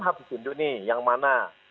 hafiz sindu nih yang mana